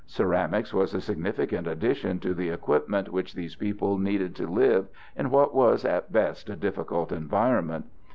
Ceramics was a significant addition to the equipment which these people needed to live in what was at best a difficult environment.